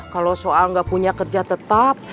kalau soal nggak punya kerja tetap